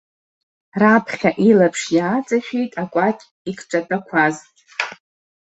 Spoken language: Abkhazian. Раԥхьа илаԥш иааҵашәеит акәакь икҿатәақәаз.